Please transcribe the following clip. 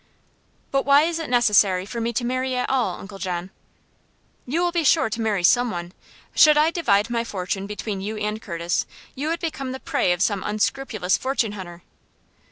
"But why is it necessary for me to marry at all, Uncle John?" "You will be sure to marry some one. Should I divide my fortune between you and Curtis, you would become the prey of some unscrupulous fortune hunter."